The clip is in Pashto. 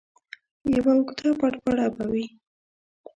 یوه اوږده پړپړه به وي.